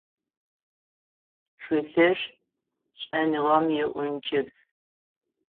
Тхылъыр - шӏэныгъэм иӏункӏыбз.